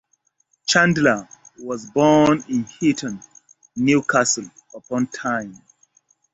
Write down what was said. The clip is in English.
Chandler was born in Heaton, Newcastle upon Tyne.